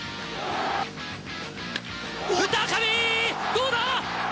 どうだ？